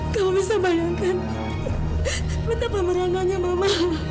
kamu bisa bayangkan betapa merangkanya mama